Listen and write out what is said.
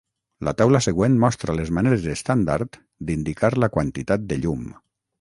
La taula següent mostra les maneres estàndard d'indicar la quantitat de llum.